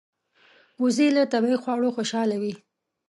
وزې له طبیعي خواړو خوشاله وي